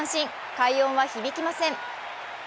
快音は響きません。